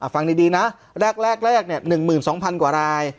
ฟังดีนะแรกเนี่ยหนึ่งหมื่นสองพันกว่าราย